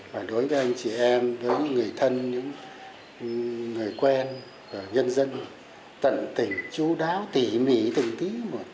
và đối với anh chị em đối với người thân những người quen nhân dân tận tỉnh chú đáo tỉ mỉ từng tí một